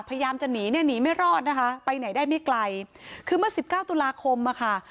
พยายามจะหนีเนี่ยหนีไม่รอดนะคะไปไหนได้ไม่ไกลคือเมื่อสิบเก้าตุลาคมอ่ะค่ะ